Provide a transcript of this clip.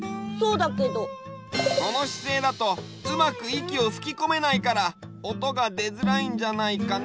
そのしせいだとうまくいきをふきこめないからおとがでづらいんじゃないかな？